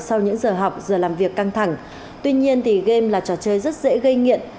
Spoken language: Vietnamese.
sau những giờ học giờ làm việc căng thẳng tuy nhiên game là trò chơi rất dễ gây nghiện